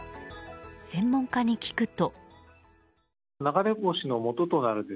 専門家に聞くと。